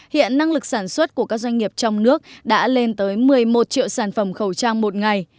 hiện năng lực sản xuất của các doanh nghiệp trong nước đã lên tới một mươi một triệu sản phẩm khẩu trang một ngày